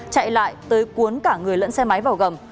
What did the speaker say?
chạy lại tới cuốn cả người lẫn xe máy vào gầm